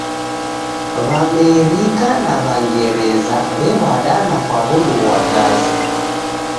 W'aamerika na W'angereza w'ew'adana kwa w'uda ghwa Gaza.